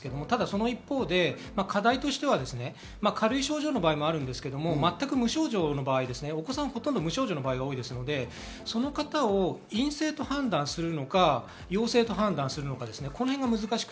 ただ一方で、課題としては軽い症状の場合もあるんですけれど、全く無症状の場合、お子さんはほとんど無症状の場合が多いので、その方を陰性と判断するの陽性と判断するのか。